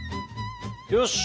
よし！